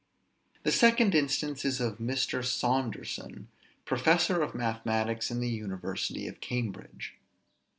The second instance is of Mr. Saunderson, professor of mathematics in the University of Cambridge.